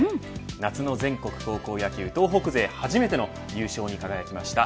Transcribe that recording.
夏の全国高校野球東北勢、初めての優勝に輝きました。